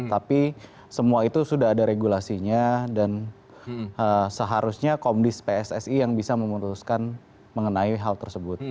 tapi semua itu sudah ada regulasinya dan seharusnya komdis pssi yang bisa memutuskan mengenai hal tersebut